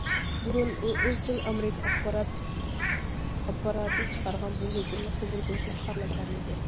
بۇرۇن ئۇ ئىزچىل ئامېرىكا ئاخبارات ئاپپاراتى چىقارغان بۇ ھۆكۈمنى قوبۇل قىلىشنى خالىمىغان ئىدى.